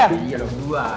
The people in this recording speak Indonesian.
iya dong dua